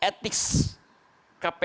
karena itu disebut sebagai extraordinary crime